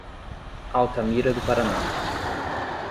Altamira do Paraná